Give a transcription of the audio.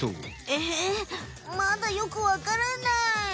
えまだよくわからない。